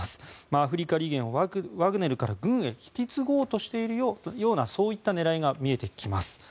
アフリカ利権をワグネルから軍へ引き継ごうとしているようなそういった狙いが見えてきます。